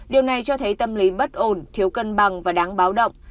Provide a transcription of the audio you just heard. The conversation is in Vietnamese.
điều này cho thấy tâm lý bất ổn thiếu cân bằng và đáng báo động